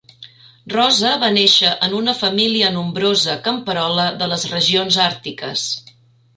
Rosa va néixer en una família nombrosa camperola de les regions àrtiques.